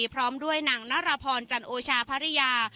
พร้อมด้วยนางนรพรจันโอชาภรรยา